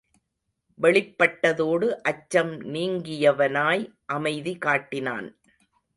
வெளிப்பட்டதோடு அச்சம் நீங்கியவனாய் அமைதி காட்டினான்.